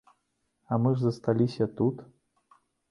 А мы ж засталіся тут.